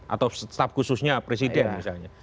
atau staf khususnya presiden misalnya